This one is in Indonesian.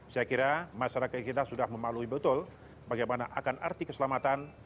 saya kira masyarakat kita sudah memaklui betul bagaimana akan arti keselamatan